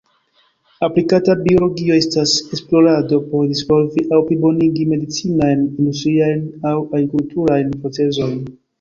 Aplikata biologio estas esplorado por disvolvi aŭ plibonigi medicinajn, industriajn, aŭ agrikulturajn procezojn.